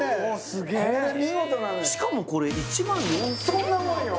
すげえしかもこれ１４０００そんなもんよ！